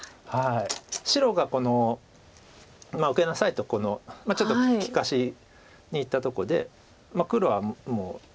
白がこの「受けなさい」とちょっと利かしにいったとこで黒はもう。